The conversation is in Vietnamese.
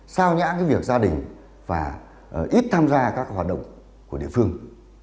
sao nhãn cái việc gia đình và ít tham gia các hoạt động của địa phương